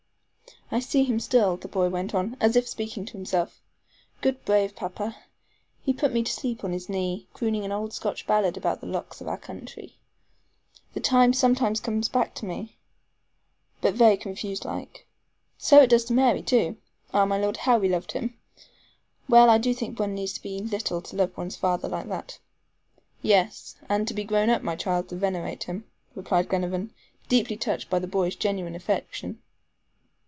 "I see him still," the boy went on, as if speaking to himself. "Good, brave papa. He put me to sleep on his knee, crooning an old Scotch ballad about the lochs of our country. The time sometimes comes back to me, but very confused like. So it does to Mary, too. Ah, my Lord, how we loved him. Well, I do think one needs to be little to love one's father like that." "Yes, and to be grown up, my child, to venerate him," replied Glenarvan, deeply touched by the boy's genuine affection.